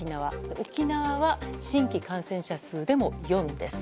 沖縄は新規感染者数でも４です。